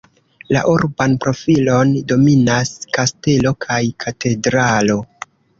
La urban profilon dominas kastelo kaj katedralo.